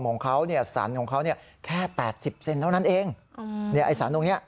ของเขาเนี่ยสันของเขาเนี่ยแค่๘๐เซนแล้วนั่นเองไอ้สันตรงนี้